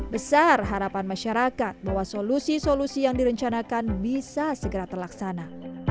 besar harapan masyarakat bahwa solusi solusi yang direncanakan bisa segera terlaksana